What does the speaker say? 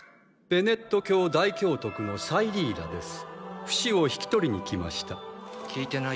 ベネット教大教督のサイリーラです。